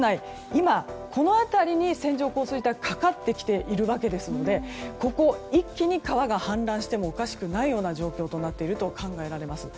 今、この辺りに線状降水帯がかかってきていますので一気に川が氾濫してもおかしくない状況となっていると考えられます。